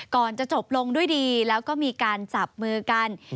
ก่อนจะจบลงด้วยดีแล้วก็มีการจับมือกัน